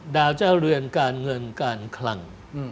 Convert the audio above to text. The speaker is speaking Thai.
ดาวเจ้าเรือนการเงินการคลัง